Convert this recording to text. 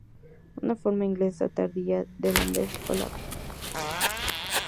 Una forma inglesa tardía del nombre es "Olave".